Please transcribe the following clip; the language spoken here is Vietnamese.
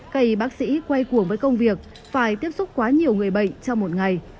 các bác sĩ quay cuồng với công việc phải tiếp xúc quá nhiều người bệnh trong một ngày